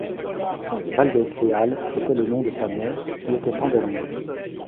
Valdés Leal était le nom de sa mère, qui était Andalouse.